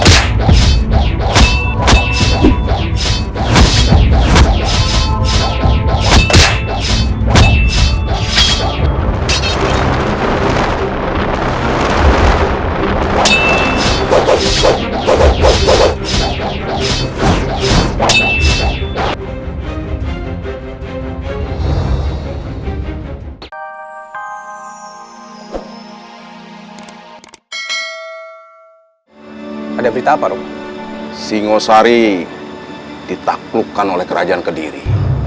ada berita paruh singosari ditaklukkan oleh kerajaan kediri